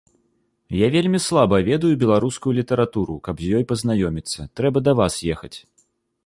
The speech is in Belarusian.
Я вельмі слаба ведаю беларускую літаратуру, каб з ёй пазнаёміцца, трэба да вас ехаць.